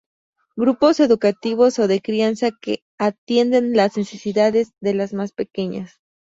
grupos educativos o de crianza que atienden las necesidades de las más pequeñas